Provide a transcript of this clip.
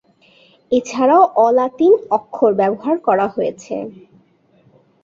এছাড়াও অ-লাতিন অক্ষর ব্যবহার করা হয়েছে।